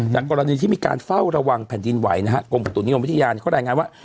กรณีที่มีการเฝ้าระวังแผ่นดินไหวนะฮะกรมประตุนิยมวิทยาเขารายงานว่า